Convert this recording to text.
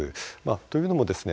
というのもですね